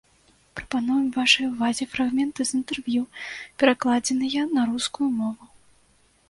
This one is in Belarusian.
Прапануем вашай увазе фрагменты з інтэрв'ю, перакладзеныя на рускую мову.